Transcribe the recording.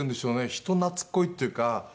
人懐っこいっていうか。